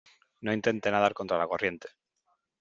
no intente nadar contra la corriente .